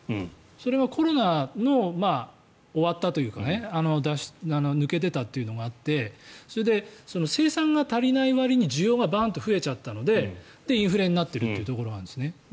それがコロナが終わったというか抜け出たというのがあってそれで、生産が足りないわりに需要がバンと増えちゃったのでインフレになっているというところがあるんですね。